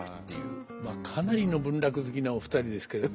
かなりの文楽好きなお二人ですけれども。